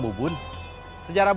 kali ini rasa kejam